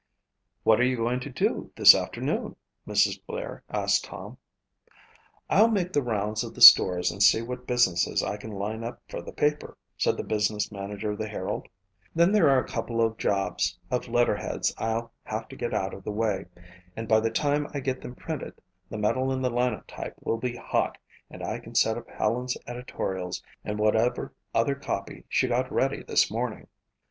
"What are you going to do this afternoon?" Mrs. Blair asked Tom. "I'll make the rounds of the stores and see what business I can line up for the paper," said the business manager of the Herald. "Then there are a couple of jobs of letterheads I'll have to get out of the way and by the time I get them printed the metal in the Linotype will be hot and I can set up Helen's editorials and whatever other copy she got ready this morning."